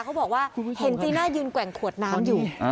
เขาบอกว่าเห็นจีน่ายืนแกว่งขวดน้ำอยู่